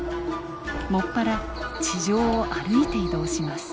もっぱら地上を歩いて移動します。